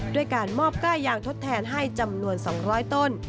ด้วยการมอบกล้ายางทดแทนให้จำนวน๒๐๐ต้น